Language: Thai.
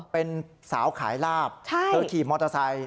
เป็นสาวขายลาบเธอขี่มอเตอร์ไซค์